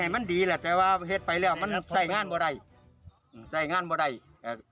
มันดีแหละแต่ว่าเฮ็ดไปแล้วมันใส่งานบวดัยใส่งานบวดัยเอ่อ